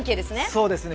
そうですね。